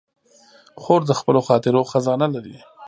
خور د خپلو خاطرو خزانه لري.